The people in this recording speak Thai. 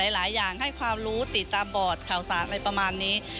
หลายอย่างให้ความรู้ติดตามบอร์ดข่าวสารอะไรประมาณนี้